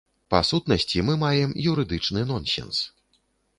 Па-сутнасці мы маем юрыдычны нонсенс.